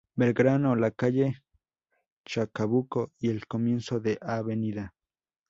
Belgrano, la calle Chacabuco y el comienzo de Av.